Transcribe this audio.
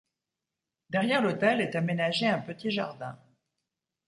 Derrière l'hôtel est aménagé un petit jardin.